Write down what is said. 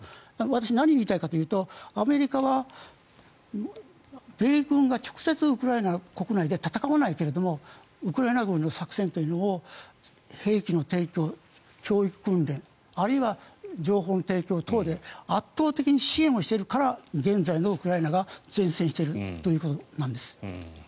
私、何が言いたいかというとアメリカは米軍が直接、ウクライナ国内で戦わないけれどもウクライナ軍の作戦というのを兵器の提供教育訓練あるいは情報の提供等で圧倒的に支援をしているから現在のウクライナが善戦しているということなんです。